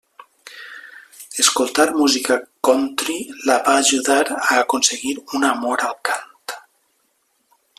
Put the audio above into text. Escoltar música Country la va ajudar a aconseguir un amor al cant.